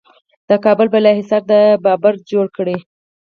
د کابل بالا حصار د بابر جوړ کړ